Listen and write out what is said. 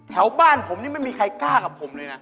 แถวบ้านผมนี่ไม่มีใครกล้ากับผมเลยนะ